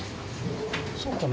そうかな？